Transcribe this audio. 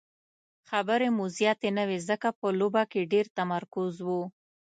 خبرې مو زیاتې نه وې ځکه په لوبه کې ډېر تمرکز وو.